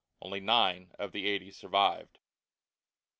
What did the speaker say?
Only nine of the eighty survived.